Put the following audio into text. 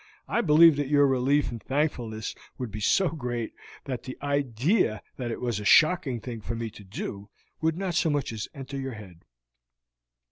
I believe that your relief and thankfulness would be so great that the idea that it was a shocking thing for me to do would not as much as enter your head."